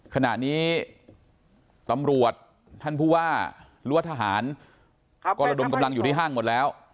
ขณะนี้ตำรวจท่านผู้ว่าหรือว่าทหารกรดมกำลังอยู่ที่ห้างหมดแล้ว